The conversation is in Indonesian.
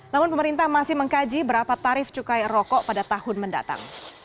namun pemerintah masih mengkaji berapa tarif cukai rokok pada tahun mendatang